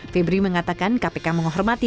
febri mengatakan kpk menghormati